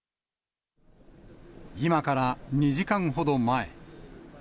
今から２時間ほど前。